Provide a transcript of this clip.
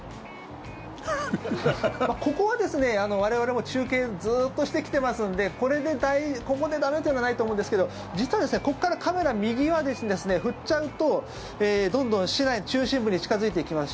ここは我々も中継、ずっとしてきてますのでここで駄目というのはないと思うんですけど実はここからカメラ、右は振っちゃうとどんどん市内の中心部に近付いていきます。